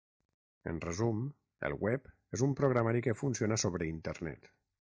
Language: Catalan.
En resum, el Web és un programari que funciona sobre Internet.